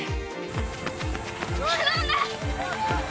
頼んだ！